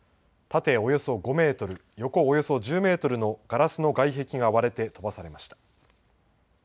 縦およそ５メートル、横およそ１０メートルのガラスの外壁が割れて、飛ばされました。